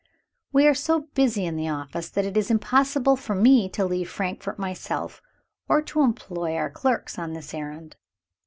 We are so busy in the office that it is impossible for me to leave Frankfort myself, or to employ our clerks on this errand.